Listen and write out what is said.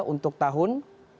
untuk tahun dua ribu delapan belas